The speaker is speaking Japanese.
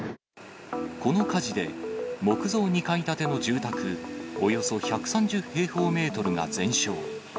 この火事で、木造２階建ての住宅およそ１３０平方メートルが全焼。